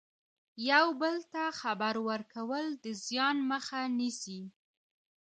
یو بل ته خبر ورکول د زیان مخه نیسي.